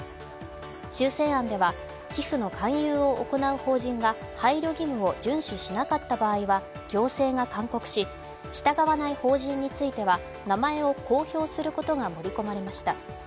修正案では寄付の勧誘を行う法人が配慮義務を順守しなかった場合は行政が勧告し従わない法人については、名前を公表することが盛り込まれました。